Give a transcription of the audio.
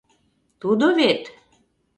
Тудо вет?